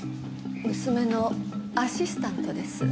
娘のアシスタントです。